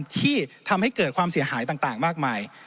ที่ทำให้เกิดความเสียหายต่างมากมาย